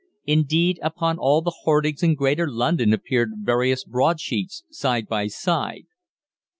Indeed, upon all the hoardings in Greater London appeared various broadsheets side by side.